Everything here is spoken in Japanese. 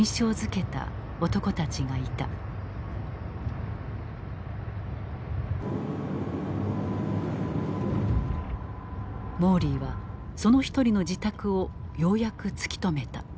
モーリーはその一人の自宅をようやく突き止めた。